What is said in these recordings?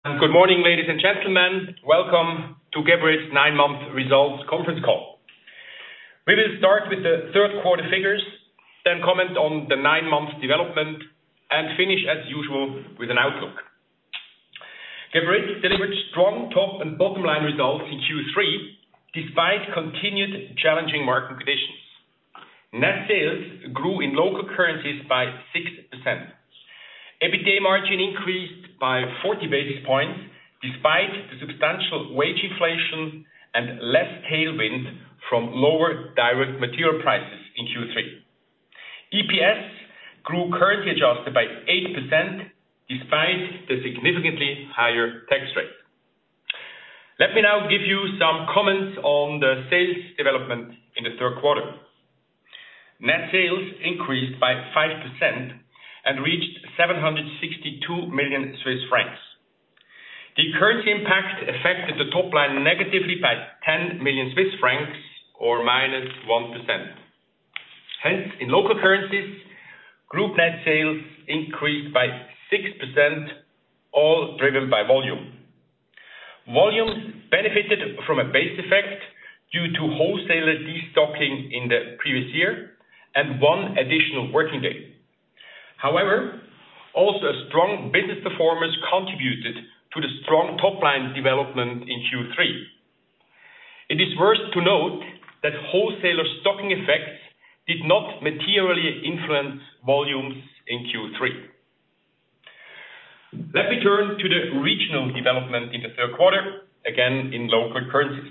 Good morning, ladies and gentlemen. Welcome to Geberit's nine-month results conference call. We will start with the third-quarter figures, then comment on the nine-month development, and finish, as usual, with an outlook. Geberit delivered strong top and bottom-line results in Q3, despite continued challenging market conditions. Net sales grew in local currencies by 6%. EBITDA margin increased by 40 basis points, despite the substantial wage inflation and less tailwind from lower direct material prices in Q3. EPS grew currency adjusted by 8%, despite the significantly higher tax rate. Let me now give you some comments on the sales development in the third quarter. Net sales increased by 5% and reached 762 million Swiss francs. The currency impact affected the top line negatively by 10 million Swiss francs, or minus 1%. Hence, in local currencies, group net sales increased by 6%, all driven by volume. Volumes benefited from a base effect due to wholesaler destocking in the previous year and one additional working day. However, also strong business performance contributed to the strong top line development in Q3. It is worth to note that wholesaler stocking effects did not materially influence volumes in Q3. Let me turn to the regional development in the third quarter, again in local currencies.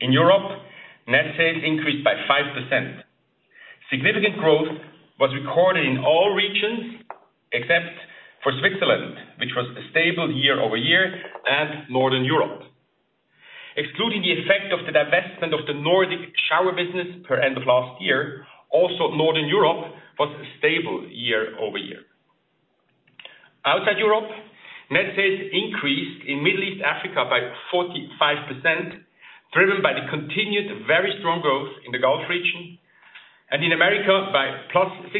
In Europe, net sales increased by 5%. Significant growth was recorded in all regions, except for Switzerland, which was stable year over year, and Northern Europe. Excluding the effect of the divestment of the Nordic shower business per end of last year, also Northern Europe was stable year over year. Outside Europe, net sales increased in Middle East Africa by 45%, driven by the continued very strong growth in the Gulf Region, and in America by +6%.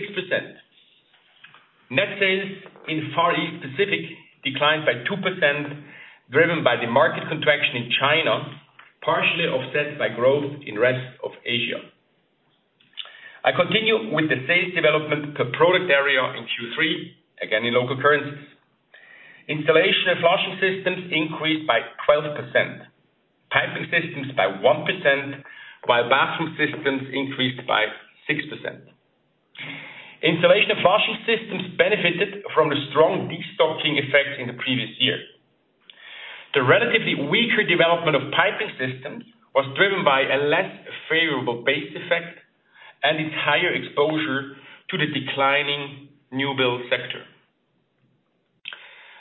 Net sales in Far East Pacific declined by 2%, driven by the market contraction in China, partially offset by growth in the rest of Asia. I continue with the sales development per product area in Q3, again in local currencies. Installation of flushing systems increased by 12%, piping systems by 1%, while bathroom systems increased by 6%. Installation of flushing systems benefited from the strong destocking effect in the previous year. The relatively weaker development of piping systems was driven by a less favorable base effect and its higher exposure to the declining new build sector.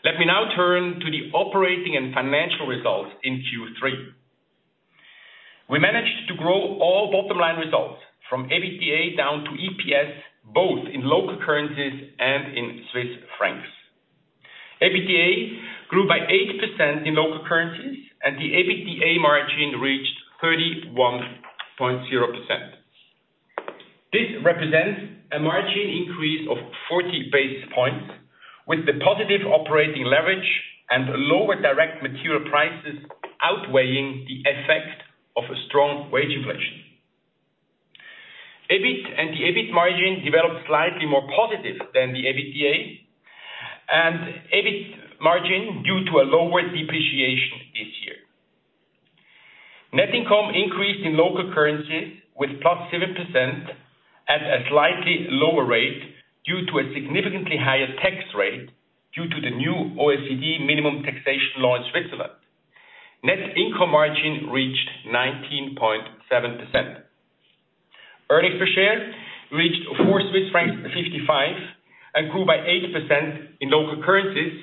Let me now turn to the operating and financial results in Q3. We managed to grow all bottom-line results from EBITDA down to EPS, both in local currencies and in Swiss francs. EBITDA grew by 8% in local currencies, and the EBITDA margin reached 31.0%. This represents a margin increase of 40 basis points, with the positive operating leverage and lower direct material prices outweighing the effect of strong wage inflation. EBIT and the EBIT margin developed slightly more positive than the EBITDA, and EBIT margin due to a lower depreciation this year. Net income increased in local currencies with +7% at a slightly lower rate due to a significantly higher tax rate due to the new OECD minimum taxation law in Switzerland. Net income margin reached 19.7%. Earnings per share reached 4.55 Swiss francs and grew by 8% in local currencies,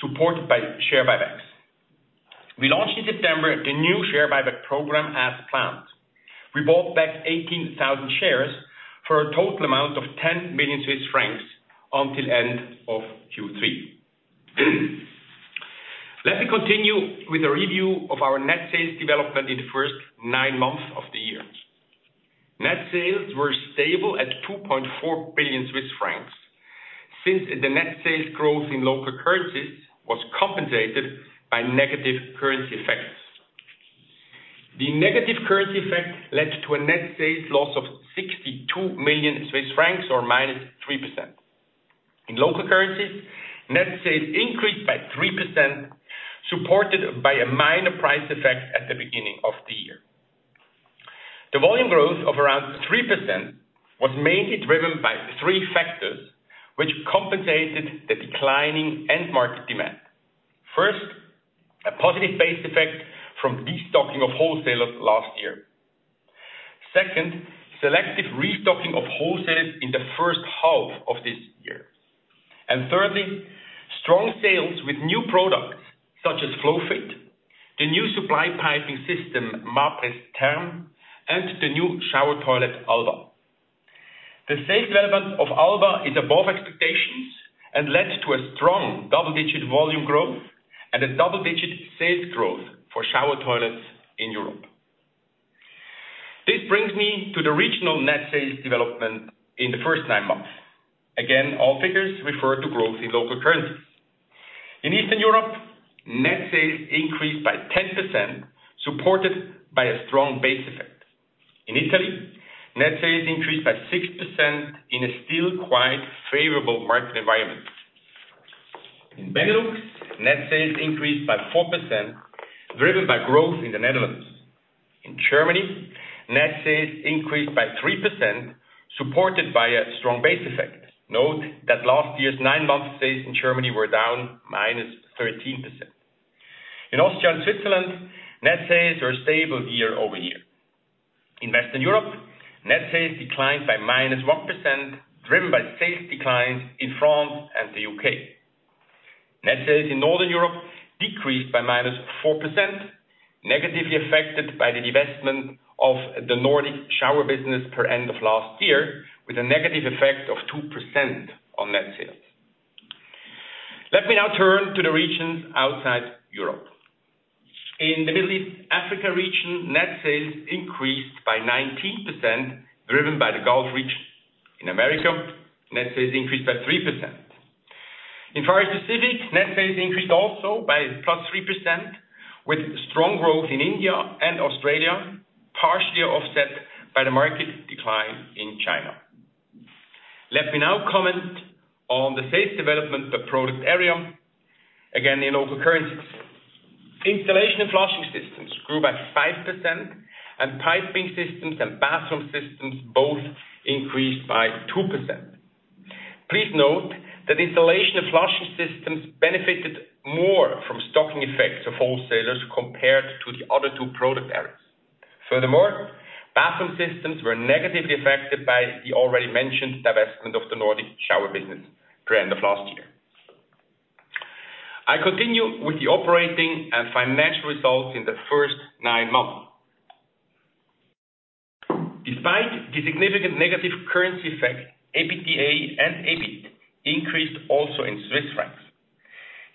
supported by share buybacks. We launched in September the new share buyback program as planned. We bought back 18,000 shares for a total amount of 10 million Swiss francs until end of Q3. Let me continue with a review of our net sales development in the first nine months of the year. Net sales were stable at 2.4 billion Swiss francs since the net sales growth in local currencies was compensated by negative currency effects. The negative currency effect led to a net sales loss of 62 million Swiss francs, or minus 3%. In local currencies, net sales increased by 3%, supported by a minor price effect at the beginning of the year. The volume growth of around 3% was mainly driven by three factors which compensated the declining end market demand. First, a positive base effect from destocking of wholesalers last year. Second, selective restocking of wholesalers in the first half of this year, and thirdly, strong sales with new products such as FlowFit, the new supply piping system Mapress Therm, and the new shower toilet Alba. The sales development of Alba is above expectations and led to a strong double-digit volume growth and a double-digit sales growth for shower toilets in Europe. This brings me to the regional net sales development in the first nine months. Again, all figures refer to growth in local currencies. In Eastern Europe, net sales increased by 10%, supported by a strong base effect. In Italy, net sales increased by 6% in a still quite favorable market environment. In Benelux, net sales increased by 4%, driven by growth in the Netherlands. In Germany, net sales increased by 3%, supported by a strong base effect. Note that last year's nine-month sales in Germany were down -13%. In Austria and Switzerland, net sales were stable year over year. In Western Europe, net sales declined by -1%, driven by sales declines in France and the UK. Net sales in Northern Europe decreased by minus 4%, negatively affected by the divestment of the Nordic shower business per end of last year, with a negative effect of 2% on net sales. Let me now turn to the regions outside Europe. In the Middle East Africa region, net sales increased by 19%, driven by the Gulf region. In America, net sales increased by 3%. In Far East Pacific, net sales increased also by plus 3%, with strong growth in India and Australia, partially offset by the market decline in China. Let me now comment on the sales development per product area, again in local currencies. Installation of flushing systems grew by 5%, and piping systems and bathroom systems both increased by 2%. Please note that installation of flushing systems benefited more from stocking effects of wholesalers compared to the other two product areas. Furthermore, Bathroom Systems were negatively affected by the already mentioned divestment of the Nordic shower business per end of last year. I continue with the operating and financial results in the first nine months. Despite the significant negative currency effect, EBITDA and EBIT increased also in Swiss francs.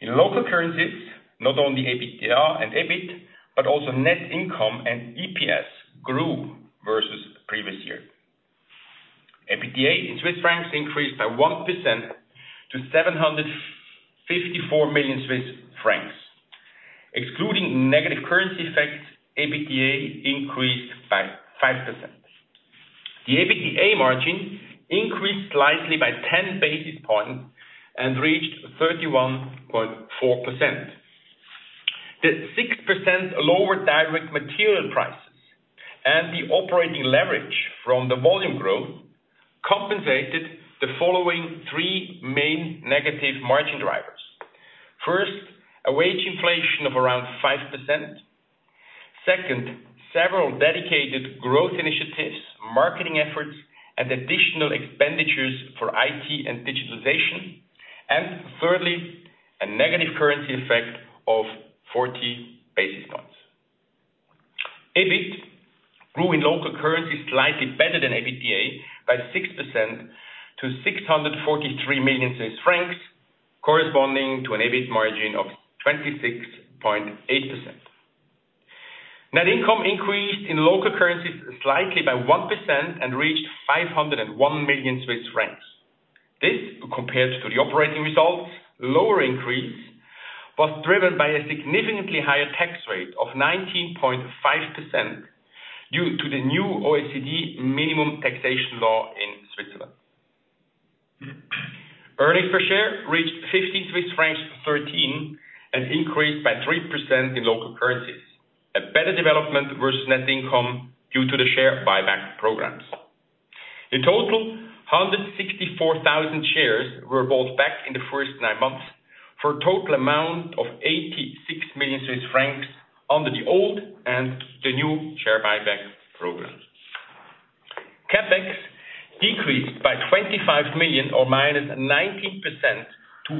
In local currencies, not only EBITDA and EBIT, but also net income and EPS grew versus previous year. EBITDA in Swiss francs increased by 1% to 754 million Swiss francs. Excluding negative currency effects, EBITDA increased by 5%. The EBITDA margin increased slightly by 10 basis points and reached 31.4%. The 6% lower direct material prices and the operating leverage from the volume growth compensated the following three main negative margin drivers. First, a wage inflation of around 5%. Second, several dedicated growth initiatives, marketing efforts, and additional expenditures for IT and digitalization. Thirdly, a negative currency effect of 40 basis points. EBIT grew in local currency slightly better than EBITDA by 6% to 643 million Swiss francs, corresponding to an EBIT margin of 26.8%. Net income increased in local currencies slightly by 1% and reached 501 million Swiss francs. This, compared to the operating results, lower increase was driven by a significantly higher tax rate of 19.5% due to the new OECD minimum taxation law in Switzerland. Earnings per share reached 15 francs from 13 and increased by 3% in local currencies. A better development versus net income due to the share buyback programs. In total, 164,000 shares were bought back in the first nine months for a total amount of 86 million Swiss francs under the old and the new share buyback program. CapEx decreased by 25 million, or minus 19%, to 103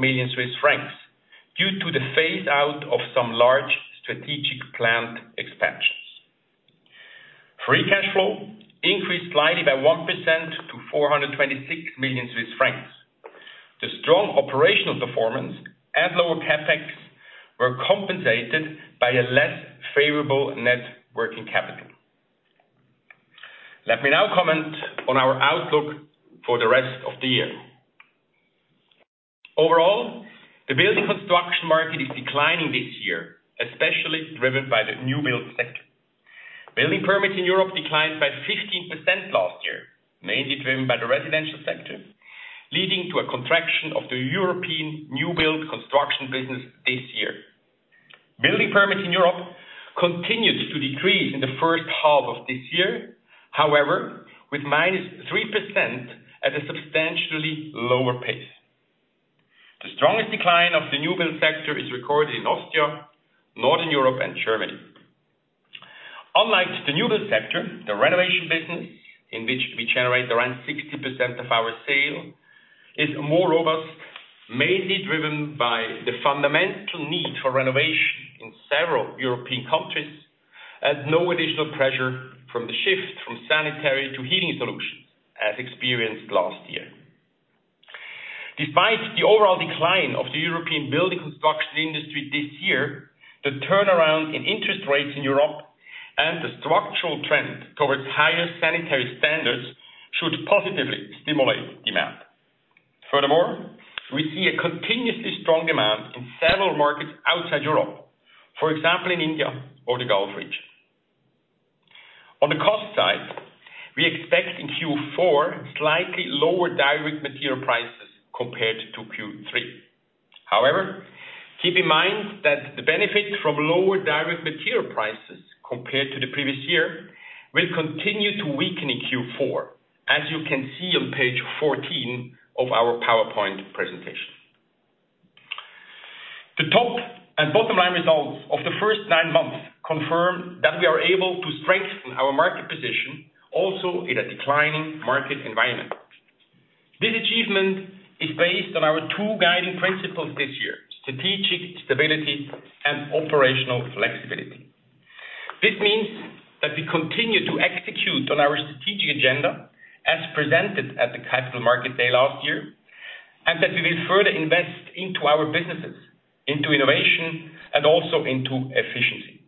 million Swiss francs due to the phase-out of some large strategic plant expansions. Free cash flow increased slightly by 1% to 426 million Swiss francs. The strong operational performance and lower CapEx were compensated by a less favorable net working capital. Let me now comment on our outlook for the rest of the year. Overall, the building construction market is declining this year, especially driven by the new build sector. Building permits in Europe declined by 15% last year, mainly driven by the residential sector, leading to a contraction of the European new build construction business this year. Building permits in Europe continued to decrease in the first half of this year, however, with minus 3% at a substantially lower pace. The strongest decline of the new build sector is recorded in Austria, Northern Europe, and Germany. Unlike the new build sector, the renovation business, in which we generate around 60% of our sales, is more robust, mainly driven by the fundamental need for renovation in several European countries and no additional pressure from the shift from sanitary to heating solutions, as experienced last year. Despite the overall decline of the European building construction industry this year, the turnaround in interest rates in Europe and the structural trend towards higher sanitary standards should positively stimulate demand. Furthermore, we see a continuously strong demand in several markets outside Europe, for example, in India or the Gulf region. On the cost side, we expect in Q4 slightly lower direct material prices compared to Q3. However, keep in mind that the benefit from lower direct material prices compared to the previous year will continue to weaken in Q4, as you can see on page 14 of our PowerPoint presentation. The top and bottom-line results of the first nine months confirm that we are able to strengthen our market position also in a declining market environment. This achievement is based on our two guiding principles this year: strategic stability and operational flexibility. This means that we continue to execute on our strategic agenda as presented at the Capital Market Day last year and that we will further invest into our businesses, into innovation, and also into efficiency.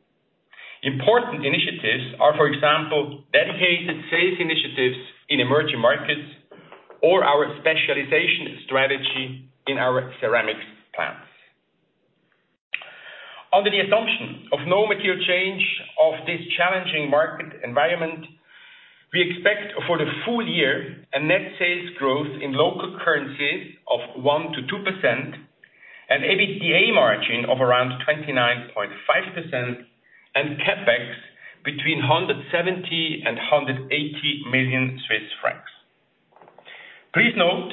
Important initiatives are, for example, dedicated sales initiatives in emerging markets or our specialization strategy in our ceramics plants. Under the assumption of no material change of this challenging market environment, we expect for the full year a net sales growth in local currencies of 1%-2%, an EBITDA margin of around 29.5%, and CapEx between 170 and 180 million Swiss francs. Please note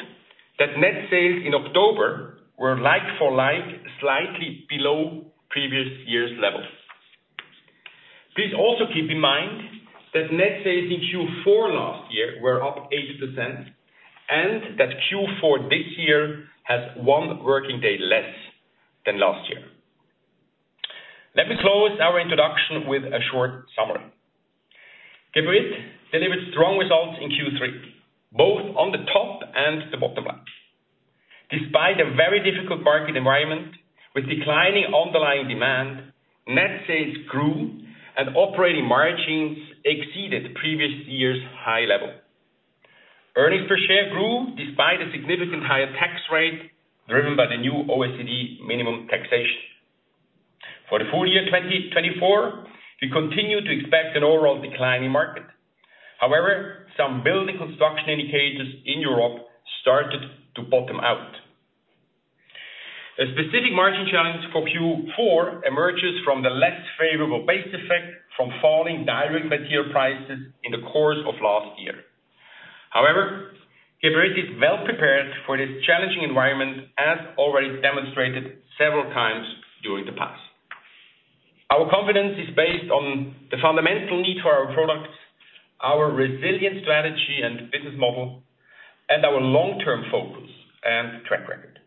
that net sales in October were like for like slightly below previous year's levels. Please also keep in mind that net sales in Q4 last year were up 8% and that Q4 this year has one working day less than last year. Let me close our introduction with a short summary. Geberit delivered strong results in Q3, both on the top and the bottom line. Despite a very difficult market environment with declining underlying demand, net sales grew and operating margins exceeded previous year's high level. Earnings per share grew despite a significant higher tax rate driven by the new OECD minimum taxation. For the full year 2024, we continue to expect an overall decline in market. However, some building construction indicators in Europe started to bottom out. A specific margin challenge for Q4 emerges from the less favorable base effect from falling direct material prices in the course of last year. However, Geberit is well prepared for this challenging environment, as already demonstrated several times during the past. Our confidence is based on the fundamental need for our products, our resilient strategy and business model, and our long-term focus and track record.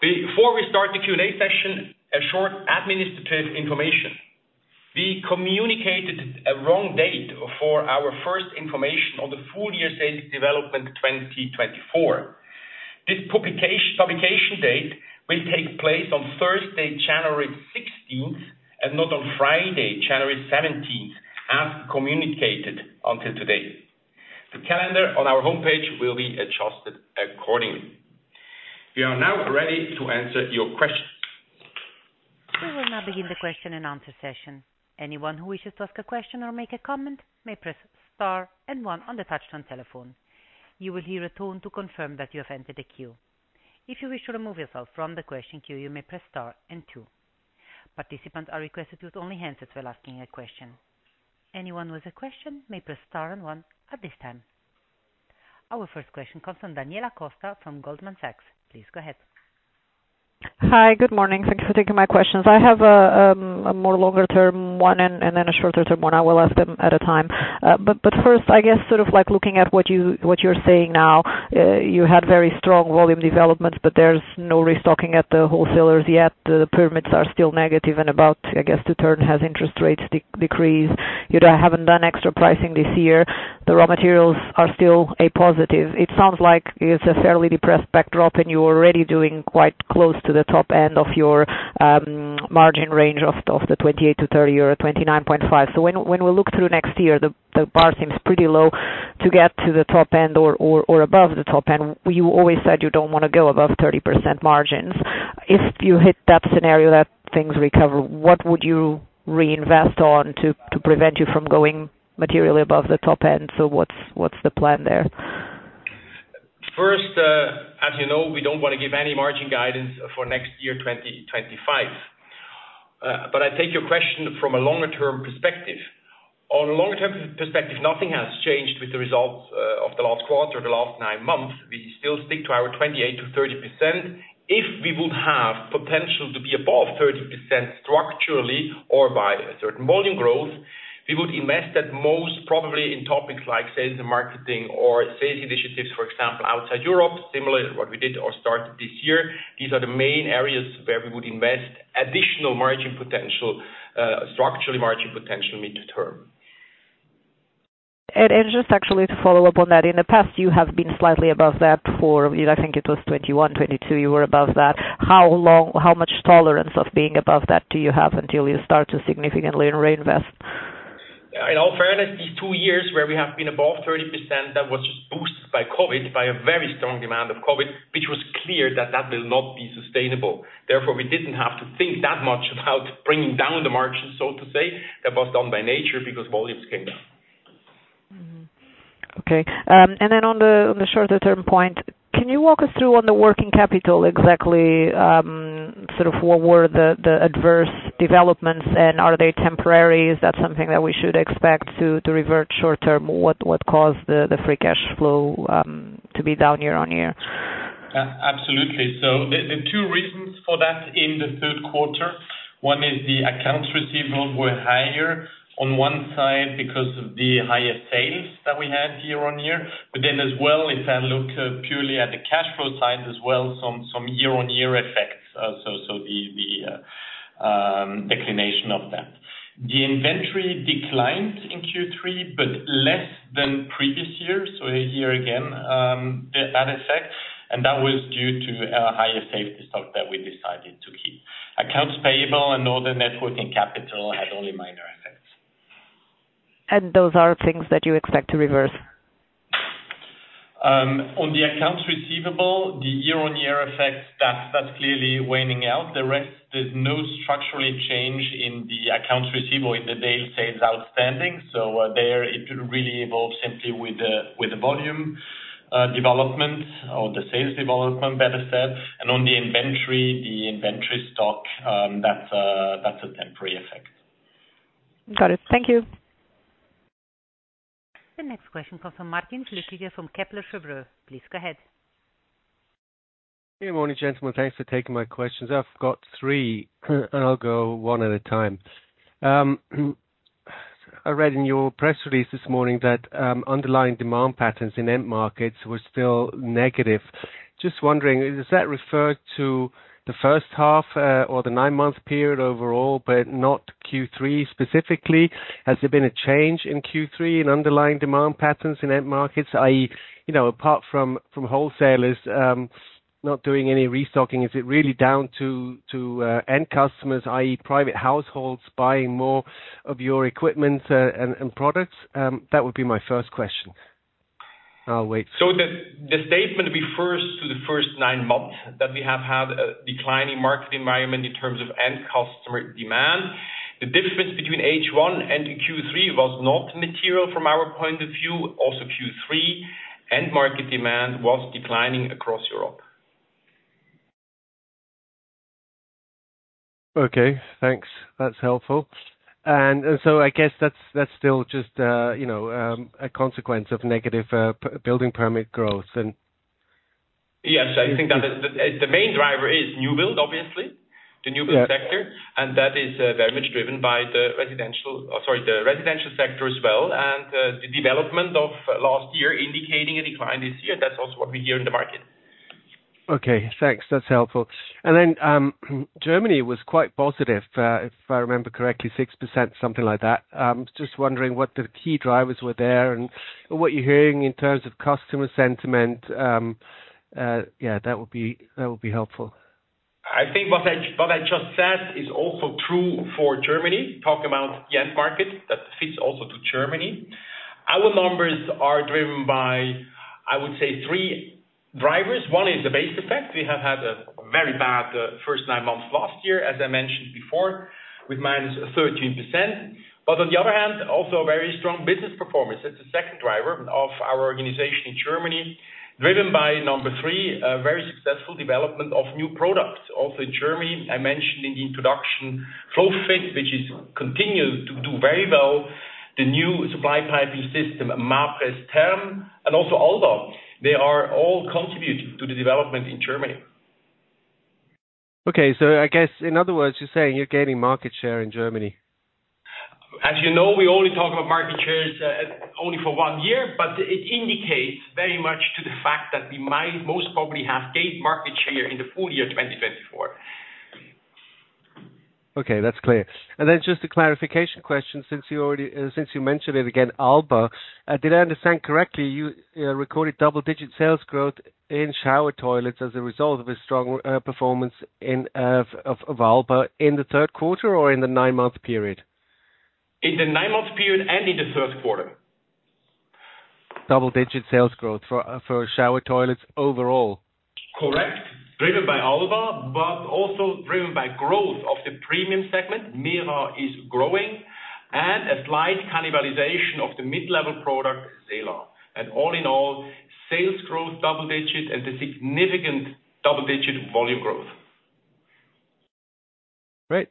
Before we start the Q&A session, a short administrative information. We communicated a wrong date for our first information on the full year sales development 2024. This publication date will take place on Thursday, January 16th, and not on Friday, January 17th, as communicated until today. The calendar on our homepage will be adjusted accordingly. We are now ready to answer your questions. We will now begin the question and answer session. Anyone who wishes to ask a question or make a comment may press Star and 1 on the touch-tone telephone. You will hear a tone to confirm that you have entered a queue. If you wish to remove yourself from the question queue, you may press Star and 2. Participants are requested to use only handsets while asking a question. Anyone with a question may press Star and 1 at this time. Our first question comes from Daniela Costa from Goldman Sachs. Please go ahead. Hi, good morning. Thanks for taking my questions. I have a more longer-term one and then a shorter-term one. I will ask them at a time. But first, I guess sort of like looking at what you're saying now, you had very strong volume developments, but there's no restocking at the wholesalers yet. The spreads are still negative and about, I guess, to turn. Has interest rates decreased? You haven't done extra pricing this year. The raw materials are still a positive. It sounds like it's a fairly depressed backdrop and you're already doing quite close to the top end of your margin range of the 28%-30% or 29.5%. So when we look through next year, the bar seems pretty low to get to the top end or above the top end. You always said you don't want to go above 30% margins. If you hit that scenario, that things recover, what would you reinvest on to prevent you from going materially above the top end? So what's the plan there? First, as you know, we don't want to give any margin guidance for next year 2025. But I take your question from a longer-term perspective. On a longer-term perspective, nothing has changed with the results of the last quarter, the last nine months. We still stick to our 28%-30%. If we would have potential to be above 30% structurally or by a certain volume growth, we would invest that most probably in topics like sales and marketing or sales initiatives, for example, outside Europe, similar to what we did or started this year. These are the main areas where we would invest additional margin potential, structurally margin potential mid-term. Just actually to follow up on that, in the past, you have been slightly above that for, I think it was 2021, 2022, you were above that. How much tolerance of being above that do you have until you start to significantly reinvest? In all fairness, these two years where we have been above 30%, that was just boosted by COVID, by a very strong demand of COVID, which was clear that that will not be sustainable. Therefore, we didn't have to think that much about bringing down the margin, so to say. That was done by nature because volumes came down. Okay, and then on the shorter-term point, can you walk us through on the working capital exactly sort of what were the adverse developments and are they temporary? Is that something that we should expect to revert short-term? What caused the free cash flow to be down year on year? Absolutely, so the two reasons for that in the third quarter, one is the accounts receivable were higher on one side because of the higher sales that we had year on year. But then as well, if I look purely at the cash flow side as well, some year-on-year effects, so the decline of that. The inventory declined in Q3, but less than previous year. So here again, that effect. And that was due to a higher safety stock that we decided to keep. Accounts payable and all the net working capital had only minor effects. And those are things that you expect to reverse? On the accounts receivable, the year-on-year effect, that's clearly waning out. The rest, there's no structural change in the accounts receivable, in the daily sales outstanding. So there, it really evolves simply with the volume development or the sales development, better said. And on the inventory, the inventory stock, that's a temporary effect. Got it. Thank you. The next question comes from Martin Flückiger from Kepler Cheuvreux. Please go ahead. Good morning, gentlemen. Thanks for taking my questions. I've got three, and I'll go one at a time. I read in your press release this morning that underlying demand patterns in end markets were still negative. Just wondering, does that refer to the first half or the nine-month period overall, but not Q3 specifically? Has there been a change in Q3 in underlying demand patterns in end markets, i.e., apart from wholesalers not doing any restocking, is it really down to end customers, i.e., private households buying more of your equipment and products? That would be my first question. I'll wait. So the statement refers to the first nine months that we have had a declining market environment in terms of end customer demand. The difference between H1 and Q3 was not material from our point of view. Also, Q3, end market demand was declining across Europe. Okay. Thanks. That's helpful. And so I guess that's still just a consequence of negative building permit growth, and. Yes, I think that the main driver is new build, obviously, the new build sector. And that is very much driven by the residential, sorry, the residential sector as well. And the development of last year indicating a decline this year, that's also what we hear in the market. Okay. Thanks. That's helpful. And then Germany was quite positive, if I remember correctly, 6%, something like that. Just wondering what the key drivers were there and what you're hearing in terms of customer sentiment. Yeah, that would be helpful. I think what I just said is also true for Germany, talking about the end market that fits also to Germany. Our numbers are driven by, I would say, three drivers. One is the base effect. We have had a very bad first nine months last year, as I mentioned before, with -13%. But on the other hand, also a very strong business performance. It's the second driver of our organization in Germany, driven by number three, very successful development of new products. Also in Germany, I mentioned in the introduction, FlowFit, which has continued to do very well, the new supply piping system, Mapress Therm, and also Alba. They are all contributing to the development in Germany. Okay. So I guess in other words, you're saying you're gaining market share in Germany? As you know, we only talk about market shares only for one year, but it indicates very much to the fact that we might most probably have gained market share in the full year 2024. Okay. That's clear. And then just a clarification question since you mentioned it again, Alba. Did I understand correctly? You recorded double-digit sales growth in shower toilets as a result of a strong performance of Alba in the third quarter or in the nine-month period? In the nine-month period and in the first quarter. Double-digit sales growth for shower toilets overall. Correct. Driven by Alba, but also driven by growth of the premium segment. Mera is growing and a slight cannibalization of the mid-level product, Sela. And all in all, sales growth, double-digit, and the significant double-digit volume gross.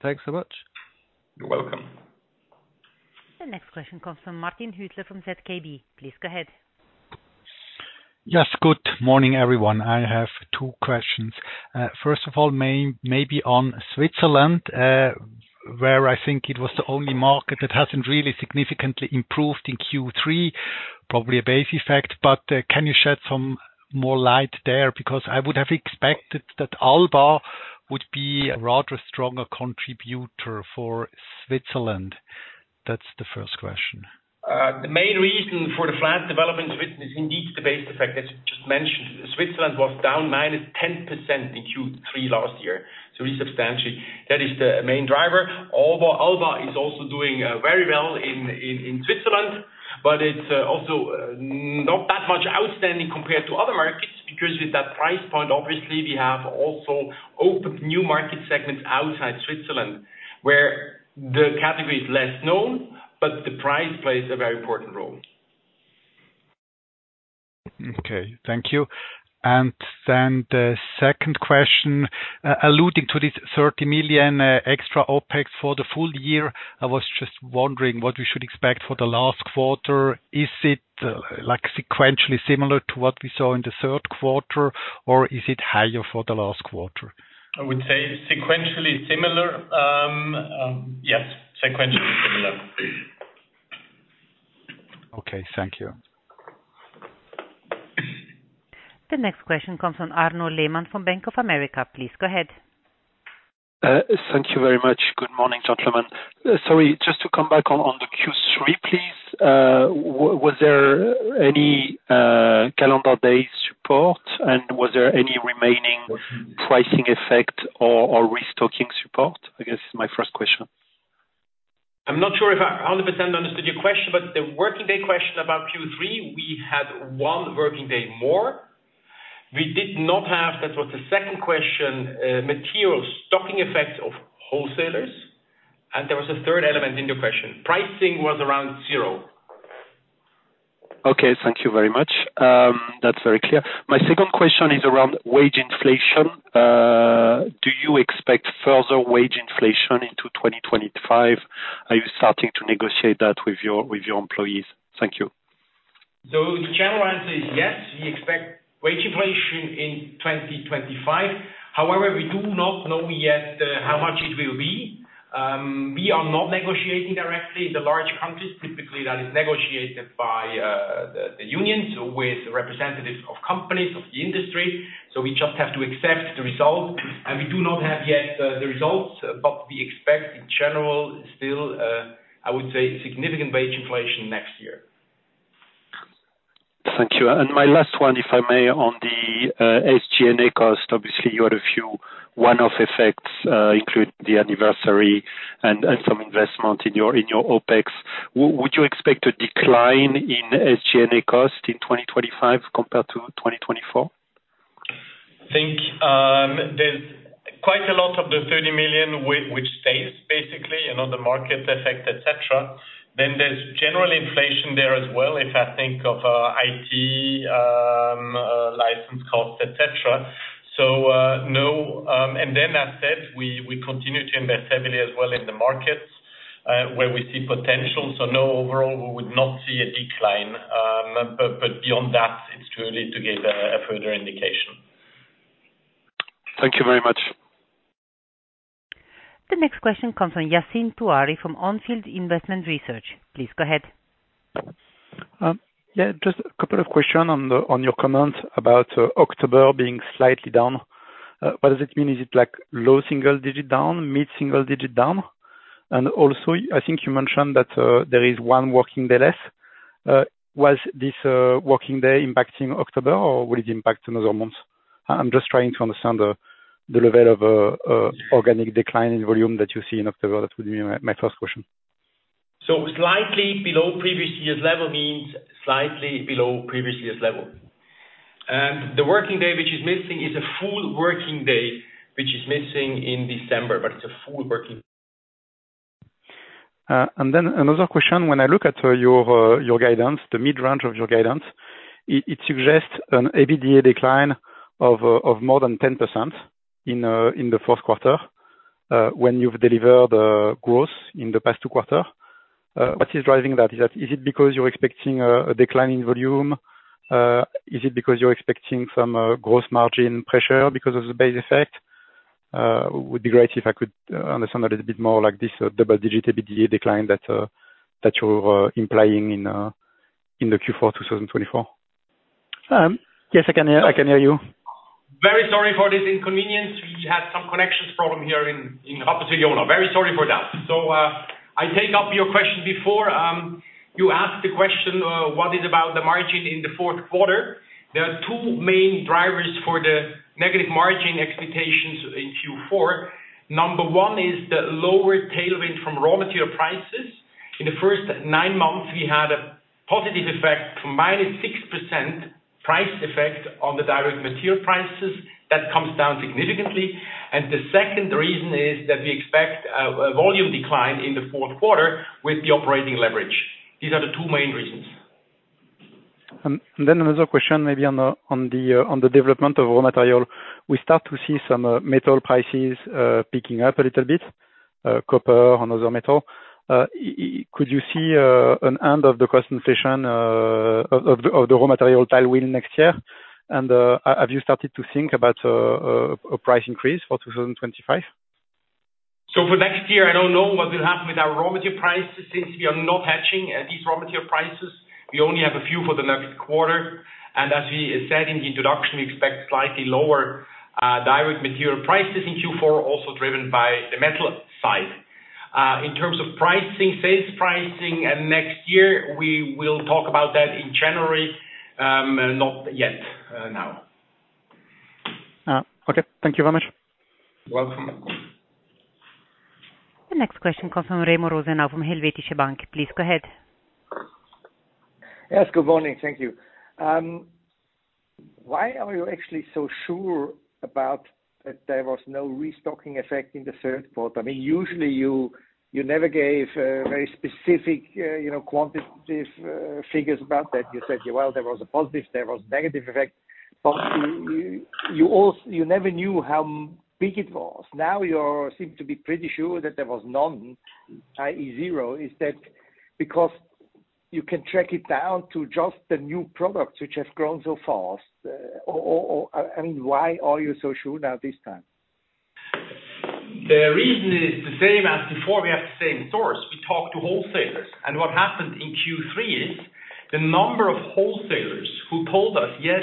Thanks a lot You're welcome. The next question comes from Martin Knechtle from ZKB. Please go ahead. Yes. Good morning, everyone. I have two questions. First of all, maybe on Switzerland, where I think it was the only market that hasn't really significantly improved in Q3, probably a base effect. But can you shed some more light there? Because I would have expected that Alba would be a rather stronger contributor for Switzerland. That's the first question. The main reason for the flat development in Switzerland is indeed the base effect that you just mentioned. Switzerland was down -10% in Q3 last year, so really substantially. That is the main driver. Alba is also doing very well in Switzerland, but it's also not that much outstanding compared to other markets because with that price point, obviously, we have also opened new market segments outside Switzerland where the category is less known, but the price plays a very important role. Okay. Thank you. And then the second question, alluding to this 30 million CHF extra OpEx for the full year, I was just wondering what we should expect for the last quarter. Is it sequentially similar to what we saw in the third quarter, or is it higher for the last quarter? I would say sequentially similar. Yes, sequentially similar. Okay. Thank you. The next question comes from Arnaud Lehmann from Bank of America. Please go ahead. Thank you very much. Good morning, gentlemen. Sorry, just to come back on the Q3, please. Was there any calendar day support, and was there any remaining pricing effect or restocking support? I guess it's my first question. I'm not sure if I 100% understood your question, but the working day question about Q3, we had one working day more. We did not have, that was the second question, material stocking effect of wholesalers. And there was a third element in the question. Pricing was around zero. Okay. Thank you very much. That's very clear. My second question is around wage inflation. Do you expect further wage inflation into 2025? Are you starting to negotiate that with your employees? Thank you. So the general answer is yes. We expect wage inflation in 2025. However, we do not know yet how much it will be. We are not negotiating directly in the large countries. Typically, that is negotiated by the unions with representatives of companies of the industry. So we just have to accept the results. And we do not have yet the results, but we expect in general still, I would say, significant wage inflation next year. Thank you. And my last one, if I may, on the SG&A cost. Obviously, you had a few one-off effects, including the anniversary and some investment in your OPEX. Would you expect a decline in SG&A cost in 2025 compared to 2024? I think there's quite a lot of the 30 million, which stays basically the market effect, etc. Then there's general inflation there as well, if I think of IT license costs, etc. So no. And then as said, we continue to invest heavily as well in the markets where we see potential. So no, overall, we would not see a decline. But beyond that, it's too early to give a further indication. Thank you very much. The next question comes from Yassine Touahri from Onfield Investment Research. Please go ahead. Yeah. Just a couple of questions on your comments about October being slightly down. What does it mean? Is it like low single-digit down, mid-single-digit down? And also, I think you mentioned that there is one working day less. Was this working day impacting October, or will it impact another month? I'm just trying to understand the level of organic decline in volume that you see in October. That would be my first question. So slightly below previous year's level means slightly below previous year's level. And the working day which is missing is a full working day which is missing in December, but it's a full working. And then another question. When I look at your guidance, the mid-range of your guidance, it suggests an EBITDA decline of more than 10% in the fourth quarter when you've delivered growth in the past two quarters. What is driving that? Is it because you're expecting a decline in volume? Is it because you're expecting some gross margin pressure because of the base effect? It would be great if I could understand a little bit more like this double-digit EBITDA decline that you're implying in the Q4 2024. Yes, I can hear you. Very sorry for this inconvenience. We had some connections problem here in Rapperswil-Jona. Very sorry for that. So I take up your question before. You asked the question, what is about the margin in the fourth quarter? There are two main drivers for the negative margin expectations in Q4. Number one is the lower tailwind from raw material prices. In the first nine months, we had a positive effect from -6% price effect on the direct material prices. That comes down significantly. And the second reason is that we expect a volume decline in the fourth quarter with the operating leverage. These are the two main reasons. And then another question, maybe on the development of raw material. We start to see some metal prices picking up a little bit, copper, and other metal. Could you see an end of the cost inflation of the raw material tailwind next year? And have you started to think about a price increase for 2025? So for next year, I don't know what will happen with our raw material prices since we are not hedging these raw material prices. We only have a few for the next quarter. And as we said in the introduction, we expect slightly lower direct material prices in Q4, also driven by the metal side. In terms of pricing, sales pricing next year, we will talk about that in January, not yet now. Okay. Thank you very much. You're welcome. The next question comes from Remo Rosenau from Helvetische Bank. Please go ahead. Yes. Good morning. Thank you. Why are you actually so sure about that there was no restocking effect in the third quarter? I mean, usually, you never gave very specific quantitative figures about that. You said, well, there was a positive, there was a negative effect. But you never knew how big it was. Now you seem to be pretty sure that there was none, i.e., zero. Is that because you can track it down to just the new products which have grown so fast? I mean, why are you so sure now this time? The reason is the same as before. We have the same source. We talk to wholesalers. And what happened in Q3 is the number of wholesalers who told us, yes,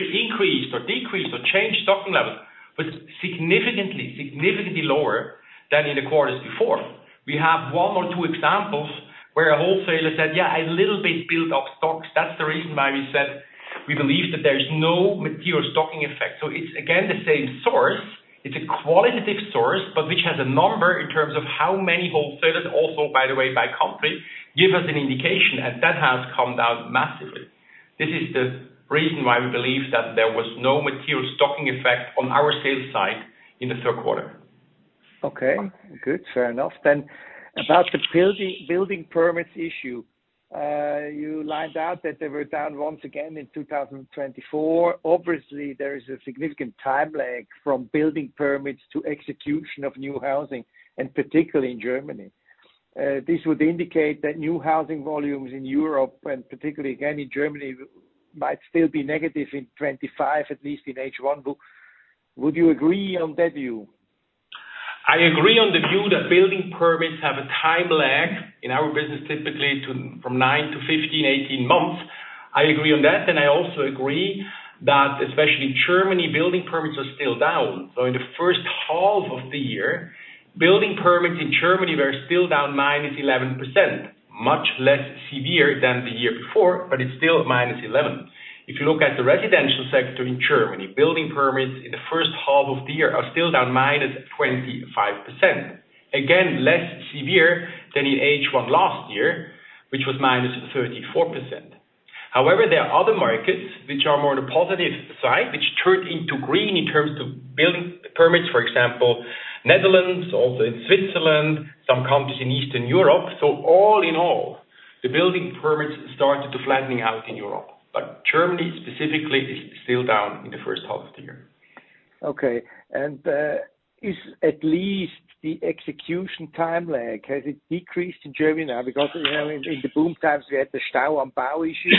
we increased or decreased or changed stocking levels, was significantly, significantly lower than in the quarters before. We have one or two examples where a wholesaler said, yeah, a little bit built up stocks. That's the reason why we said we believe that there's no material stocking effect. So it's again the same source. It's a qualitative source, but which has a number in terms of how many wholesalers, also, by the way, by country, give us an indication, and that has come down massively. This is the reason why we believe that there was no material stocking effect on our sales side in the third quarter. Okay. Good. Fair enough, then about the building permits issue, you laid out that they were down once again in 2024. Obviously, there is a significant time lag from building permits to execution of new housing, and particularly in Germany. This would indicate that new housing volumes in Europe, and particularly again in Germany, might still be negative in 2025, at least in H1. Would you agree on that view? I agree on the view that building permits have a time lag in our business, typically from nine to 15, 18 months. I agree on that. I also agree that, especially in Germany, building permits are still down. In the first half of the year, building permits in Germany were still down -11%, much less severe than the year before, but it's still -11%. If you look at the residential sector in Germany, building permits in the first half of the year are still down -25%, again, less severe than in H1 last year, which was -34%. However, there are other markets which are more on the positive side, which turned into green in terms of building permits, for example, Netherlands, also in Switzerland, some countries in Eastern Europe. All in all, the building permits started to flatten out in Europe. But Germany specifically is still down in the first half of the year. Okay. And is at least the execution time lag, has it decreased in Germany now? Because in the boom times, we had the Stau am Bau issue.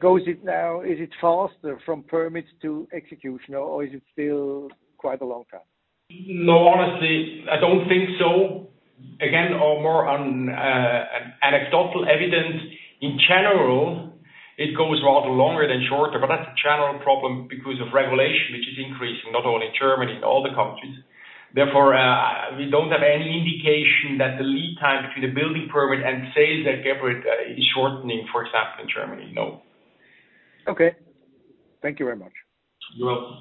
Does it now? Is it faster from permits to execution, or is it still quite a long time? No, honestly, I don't think so. Again, more on anecdotal evidence. In general, it goes rather longer than shorter, but that's a general problem because of regulation, which is increasing, not only in Germany, in all the countries. Therefore, we don't have any indication that the lead time between the building permit and sales at Geberit is shortening, for example, in Germany. No. Okay. Thank you very much. You're welcome.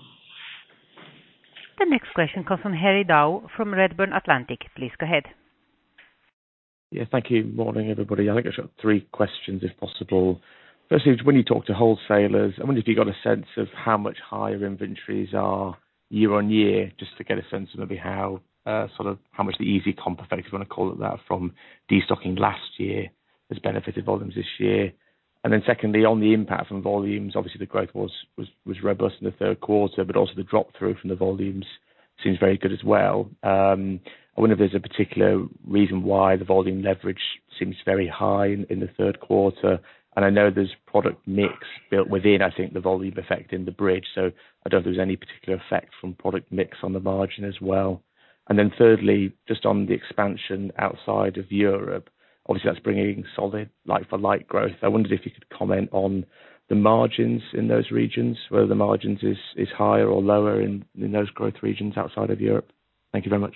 The next question comes from Harry Goad from Redburn Atlantic. Please go ahead. Yeah. Thank you. Morning, everybody. I think I've got three questions, if possible. Firstly, when you talk to wholesalers, I wonder if you've got a sense of how much higher inventories are year on year, just to get a sense of maybe sort of how much the easy comp effect, if you want to call it that, from destocking last year has benefited volumes this year. And then secondly, on the impact from volumes, obviously, the growth was robust in the third quarter, but also the drop-through from the volumes seems very good as well. I wonder if there's a particular reason why the volume leverage seems very high in the third quarter. And I know there's product mix built within, I think, the volume effect in the bridge. So I don't know if there's any particular effect from product mix on the margin as well. And then thirdly, just on the expansion outside of Europe, obviously, that's bringing solid but slight growth. I wondered if you could comment on the margins in those regions, whether the margins is higher or lower in those growth regions outside of Europe. Thank you very much.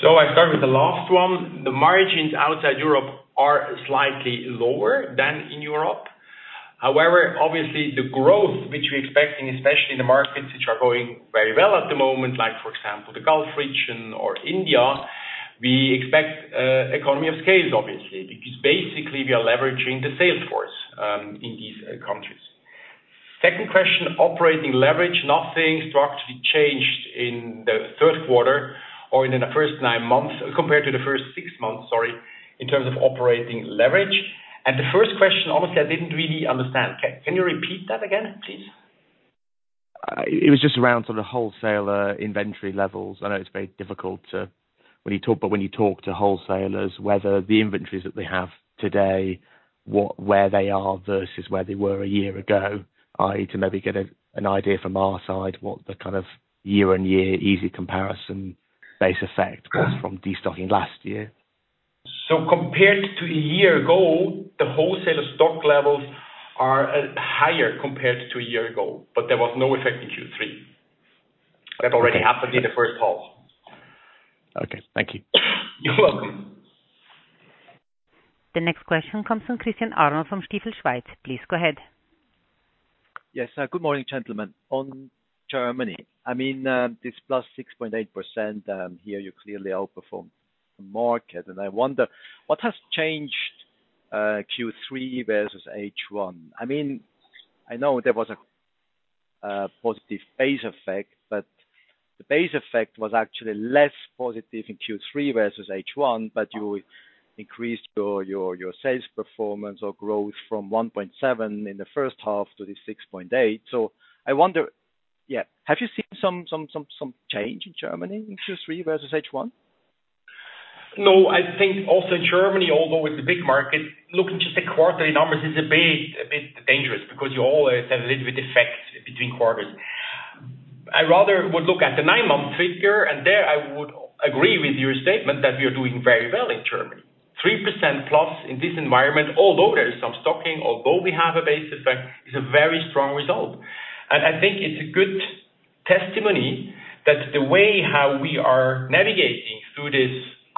So I start with the last one. The margins outside Europe are slightly lower than in Europe. However, obviously, the growth which we're expecting, especially in the markets which are going very well at the moment, like for example, the Gulf Region or India, we expect economies of scale, obviously, because basically, we are leveraging the sales force in these countries. Second question, operating leverage, nothing structurally changed in the third quarter or in the first nine months compared to the first six months, sorry, in terms of operating leverage. And the first question, honestly, I didn't really understand. Can you repeat that again, please? It was just around sort of wholesaler inventory levels. I know it's very difficult when you talk to wholesalers, whether the inventories that they have today, where they are versus where they were a year ago, i.e., to maybe get an idea from our side, what the kind of year-on-year easy comparison base effect was from destocking last year. So compared to a year ago, the wholesaler stock levels are higher compared to a year ago, but there was no effect in Q3. That already happened in the first half. Okay. Thank you. You're welcome. The next question comes from Christian Arnold from Stifel. Please go ahead. Yes. Good morning, gentlemen. On Germany, I mean, this plus 6.8% here, you clearly outperformed the market. And I wonder, what has changed Q3 versus H1? I mean, I know there was a positive base effect, but the base effect was actually less positive in Q3 versus H1, but you increased your sales performance or growth from 1.7% in the first half to the 6.8%. So I wonder, yeah, have you seen some change in Germany in Q3 versus H1? No. I think also in Germany, although it's a big market, looking just at quarterly numbers is a bit dangerous because you always have a little bit of effect between quarters. I rather would look at the nine-month figure, and there I would agree with your statement that we are doing very well in Germany. 3% plus in this environment, although there is some stocking, although we have a base effect, is a very strong result. And I think it's a good testimony that the way how we are navigating through this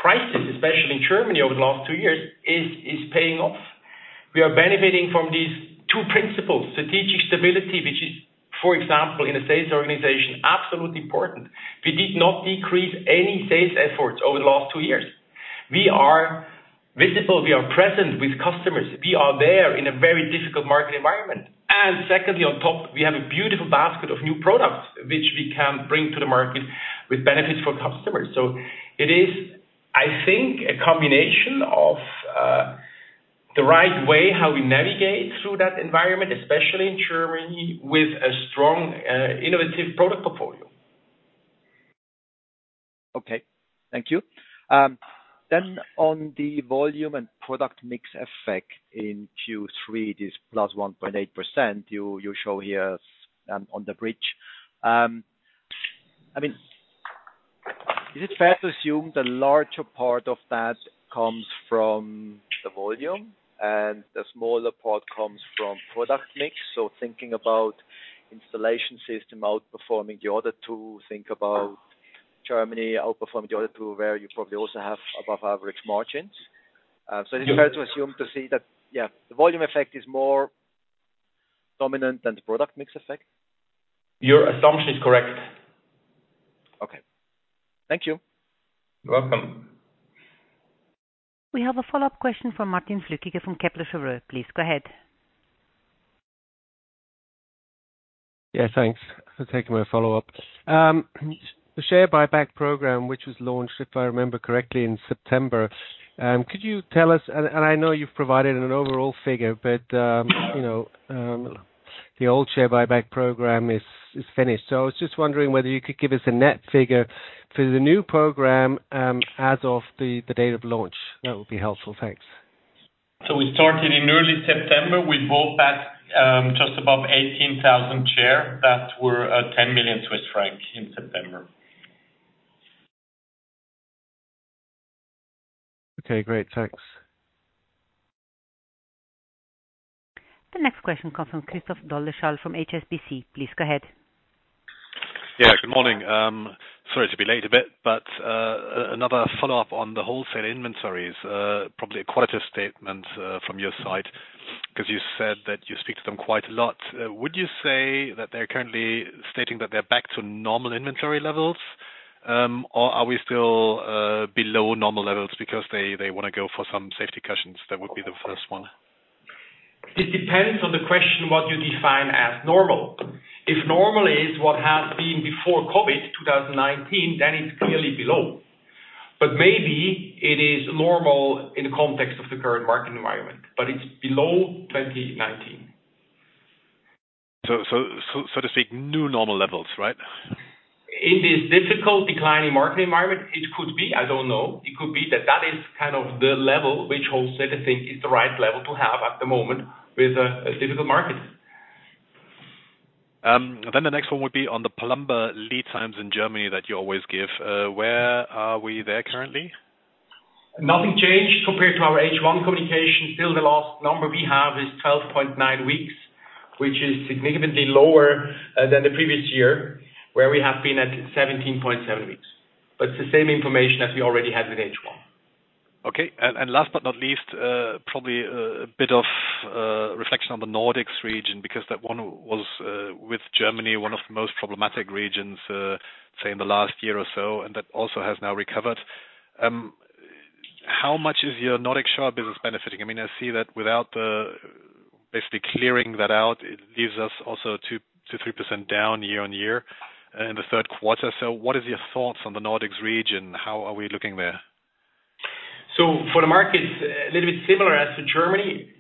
crisis, especially in Germany over the last two years, is paying off. We are benefiting from these two principles: strategic stability, which is, for example, in a sales organization, absolutely important. We did not decrease any sales efforts over the last two years. We are visible. We are present with customers. We are there in a very difficult market environment. And secondly, on top, we have a beautiful basket of new products which we can bring to the market with benefits for customers. So it is, I think, a combination of the right way how we navigate through that environment, especially in Germany, with a strong innovative product portfolio. Okay. Thank you. Then on the volume and product mix effect in Q3, this plus 1.8% you show here on the bridge. I mean, is it fair to assume the larger part of that comes from the volume and the smaller part comes from product mix? So thinking about installation system outperforming the other two, think about Germany outperforming the other two where you probably also have above-average margins. So is it fair to assume to see that, yeah, the volume effect is more dominant than the product mix effect? Your assumption is correct. Okay. Thank you. You're welcome. We have a follow-up question from Martin Flückiger from Kepler Cheuvreux. Please go ahead. Yeah. Thanks for taking my follow-up. The share buyback program, which was launched, if I remember correctly, in September, could you tell us, and I know you've provided an overall figure, but the old share buyback program is finished. I was just wondering whether you could give us a net figure for the new program as of the date of launch. That would be helpful. Thanks. So we started in early September. We bought back just above 18,000 shares that were 10 million Swiss francs in September. Okay. Great. Thanks. The next question comes from Christoph Dolleschal from HSBC. Please go ahead. Yeah. Good morning. Sorry to be late a bit, but another follow-up on the wholesale inventories, probably a qualitative statement from your side because you said that you speak to them quite a lot. Would you say that they're currently stating that they're back to normal inventory levels, or are we still below normal levels because they want to go for some safety cushions? That would be the first one. It depends on the question what you define as normal. If normal is what has been before COVID, 2019, then it's clearly below. But maybe it is normal in the context of the current market environment, but it's below 2019. So, so to speak, new normal levels, right? In this difficult declining market environment, it could be. I don't know. It could be that that is kind of the level which wholesalers think is the right level to have at the moment with a difficult market. Then the next one would be on the plumber lead times in Germany that you always give. Where are we there currently? Nothing changed compared to our H1 communication. Still, the last number we have is 12.9 weeks, which is significantly lower than the previous year, where we have been at 17.7 weeks. But it's the same information as we already had with H1. Okay. Last but not least, probably a bit of reflection on the Nordics region because that one was with Germany, one of the most problematic regions, say, in the last year or so, and that also has now recovered. How much is your Nordic shower business benefiting? I mean, I see that without basically clearing that out, it leaves us also 2%-3% down year on year in the third quarter. So what are your thoughts on the Nordics region? How are we looking there? So for the markets, a little bit similar as for Germany,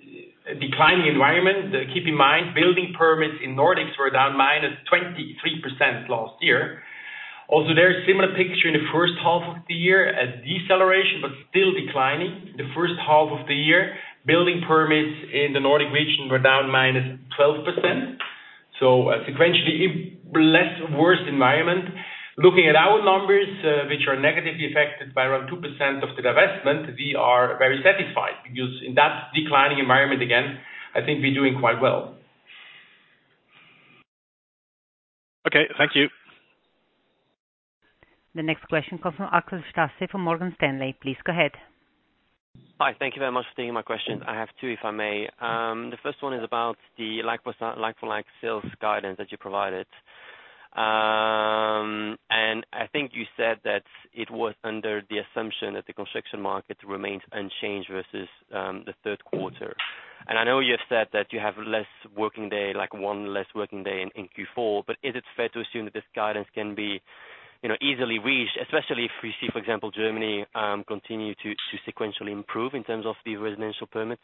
declining environment. Keep in mind, building permits in Nordics were down minus 23% last year. Also, there's a similar picture in the first half of the year, a deceleration, but still declining. The first half of the year, building permits in the Nordic region were down minus 12%. A sequentially worse environment. Looking at our numbers, which are negatively affected by around 2% of the divestment, we are very satisfied because in that declining environment, again, I think we're doing quite well. Okay. Thank you. The next question comes from Axel Stasse from Morgan Stanley. Please go ahead. Hi. Thank you very much for taking my question. I have two, if I may. The first one is about the like-for-like sales guidance that you provided. And I think you said that it was under the assumption that the construction market remains unchanged versus the third quarter. And I know you have said that you have less working day, like one less working day in Q4, but is it fair to assume that this guidance can be easily reached, especially if we see, for example, Germany continue to sequentially improve in terms of the residential permits?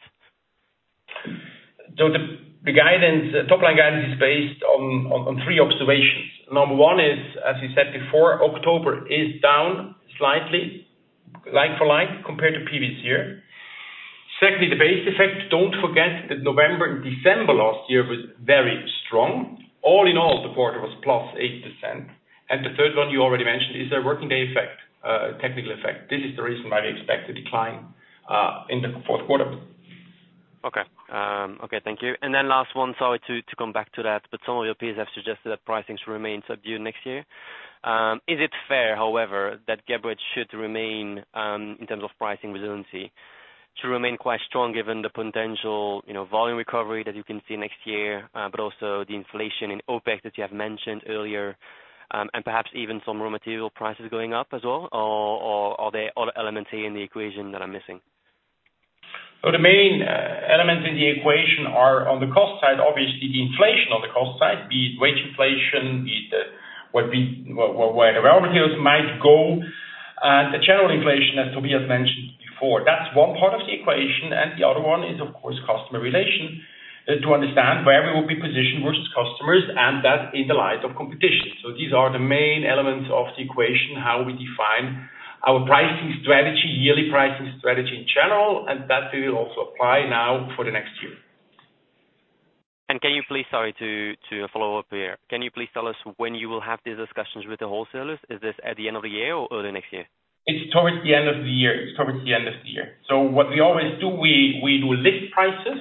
The top-line guidance is based on three observations. Number one is, as you said before, October is down slightly, like-for-like compared to previous year. Secondly, the base effect. Don't forget that November and December last year was very strong. All in all, the quarter was plus 8%. And the third one you already mentioned is a working day effect, technical effect. This is the reason why we expect a decline in the fourth quarter. Okay. Okay. Thank you. And then last one, sorry to come back to that, but some of your peers have suggested that pricing should remain subdued next year. Is it fair, however, that Geberit should remain, in terms of pricing resiliency, should remain quite strong given the potential volume recovery that you can see next year, but also the inflation in OpEx that you have mentioned earlier, and perhaps even some raw material prices going up as well? Or are there other elements here in the equation that are missing? The main elements in the equation are on the cost side, obviously, the inflation on the cost side, be it wage inflation, be it where the raw materials might go, and the general inflation, as Tobias mentioned before. That's one part of the equation. And the other one is, of course, customer relation to understand where we will be positioned versus customers, and that in the light of competition. So these are the main elements of the equation, how we define our pricing strategy, yearly pricing strategy in general, and that we will also apply now for the next year. And can you please, sorry to follow up here, can you please tell us when you will have these discussions with the wholesalers? Is this at the end of the year or early next year? It's towards the end of the year. It's towards the end of the year. So what we always do, we do list prices,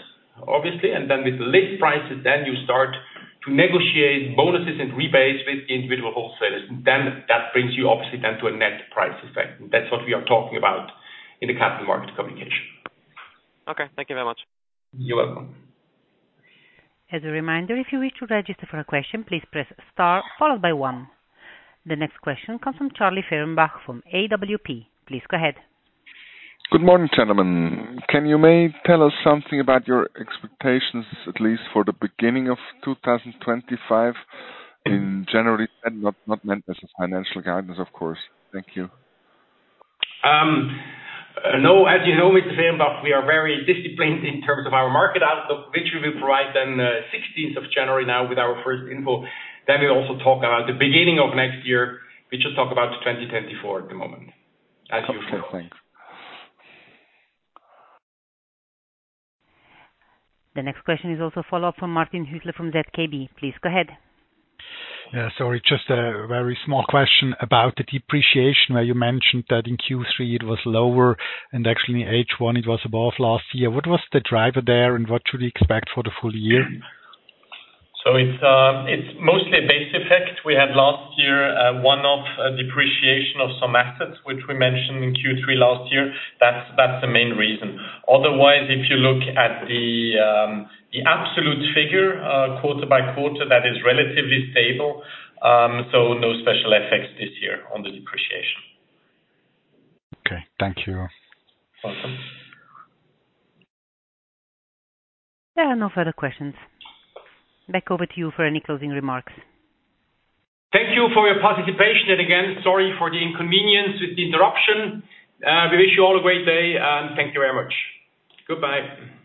obviously, and then with list prices, then you start to negotiate bonuses and rebates with the individual wholesalers. Then that brings you, obviously, then to a net price effect. And that's what we are talking about in the capital market communication. Okay. Thank you very much. You're welcome. As a reminder, if you wish to register for a question, please press star followed by one. The next question comes from Charlie Fehrenbach from AWP. Please go ahead. Good morning, gentlemen. Can you maybe tell us something about your expectations, at least for the beginning of 2025 in January? Not meant as a financial guidance, of course. Thank you. No, as you know, Mr. Fehrenbach, we are very disciplined in terms of our market outlook, which we will provide then 16th of January now with our first info. Then we also talk about the beginning of next year. We just talk about 2024 at the moment, as usual. Okay. Thanks. The next question is also a follow-up from Martin Knechtle from ZKB. Please go ahead. Yeah. Sorry, just a very small question about the depreciation where you mentioned that in Q3 it was lower and actually in H1 it was above last year. What was the driver there and what should we expect for the full year? So it's mostly a base effect. We had last year one-off depreciation of some assets, which we mentioned in Q3 last year. That's the main reason. Otherwise, if you look at the absolute figure, quarter by quarter, that is relatively stable. So no special effects this year on the depreciation. Okay. Thank you. You're welcome. There are no further questions. Back over to you for any closing remarks. Thank you for your participation, and again, sorry for the inconvenience with the interruption. We wish you all a great day and thank you very much. Goodbye.